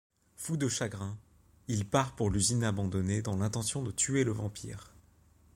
Fou de chagrin, il part pour l'usine abandonnée dans l'intention de tuer le vampire.